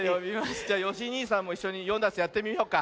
じゃよしにいさんもいっしょに「よんだんす」やってみようか。